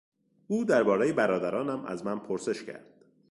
او دربارهی برادرانم از من پرسش کرد.